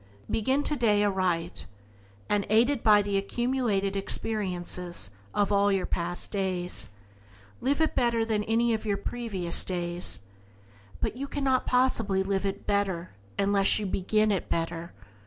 Begin today aright, and, aided by the accumulated experiences of all your past days, live it better than any of your previous days; but you cannot possibly live it better unless you begin it better.